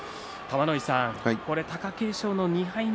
玉ノ井さん、貴景勝２敗目。